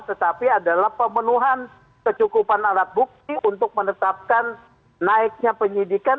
tetapi adalah pemenuhan kecukupan alat bukti untuk menetapkan naiknya penyidikan